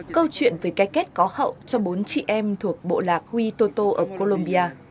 câu chuyện về cái kết có hậu cho bốn chị em thuộc bộ lạc huitoto ở colombia